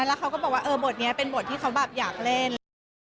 แล้วเขาก็บอกว่าเออบทนี้เป็นบทที่เขาแบบอยากเล่น